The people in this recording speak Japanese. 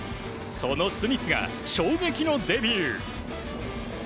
そのスミスが衝撃のデビュー。